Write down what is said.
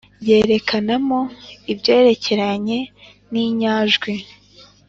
yerekanamo ibyerekeranye n’inyajwi